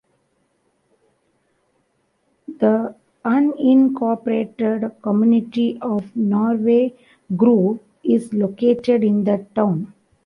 The unincorporated community of Norway Grove is located in the town.